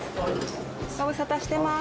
ご無沙汰してます